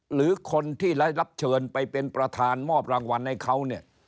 หรือคนที่ได้รับเชิญไปเป็นประธานมอบรางวัลให้เขาเนี่ย